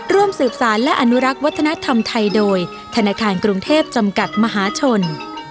ร่วมสืบสารและอนุรักษ์วัฒนธรรมไทยโดยธนาคารกรุงเทพจำกัดมหาชน